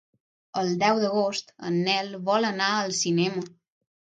El deu d'agost en Nel vol anar al cinema.